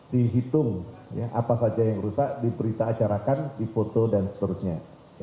di hitung apa saja yang rusak di berita acarakan di foto dan seterusnya